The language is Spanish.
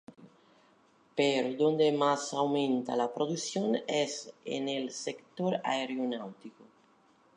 Pero donde más aumenta la producción es en el sector aeronáutico.